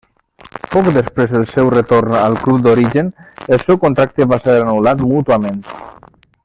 Poc després del seu retorn al club d'origen, el seu contracte va ser anul·lat mútuament.